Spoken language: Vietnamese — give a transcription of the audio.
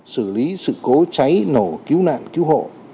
xử lý sự cố cháy nổ cứu nạn cứu hộ